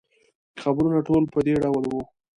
خبرونه ټول په دې ډول وو.